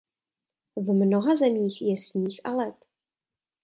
V mnoha zemích je sníh a led.